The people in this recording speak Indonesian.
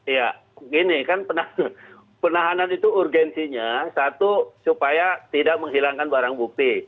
ya begini kan penahanan itu urgensinya satu supaya tidak menghilangkan barang bukti